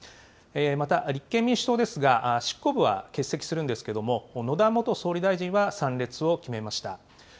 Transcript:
また立憲民主党ですが、執行部は欠席するんですけれども、野田元総理大臣は参列を決めました。